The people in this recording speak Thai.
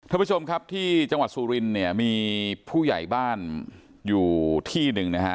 ท่านผู้ชมครับที่จังหวัดสุรินเนี่ยมีผู้ใหญ่บ้านอยู่ที่หนึ่งนะฮะ